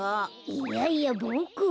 いやいやボクは。